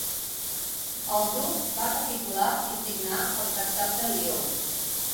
El Duc va capitular i signar el Tractat de Lió.